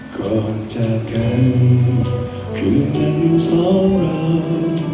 ก่อนจะแค้นคืนนั้นสองรอน